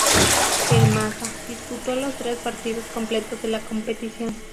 El "Maza" disputó los tres partidos completos de la competición.